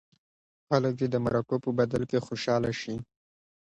خلک دې د مرکو په بدل کې خوشاله شي.